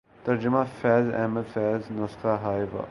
ترجمہ فیض احمد فیض نسخہ ہائے وفا